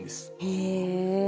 へえ。